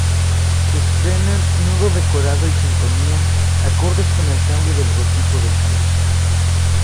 Se estrenan nuevo decorado y sintonía acordes con el cambio de logotipo del canal.